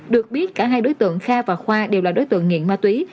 được biết cả hai đối tượng kha và khoa đều là đối tượng nghiện ma túy